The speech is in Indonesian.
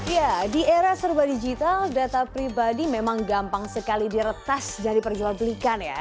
ya di era serba digital data pribadi memang gampang sekali diretas dan diperjual belikan ya